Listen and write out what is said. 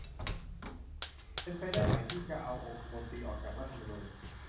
เป็นไปได้ไหมที่จะเอาองคมนตรีออกจากรัฐธรรมนูญ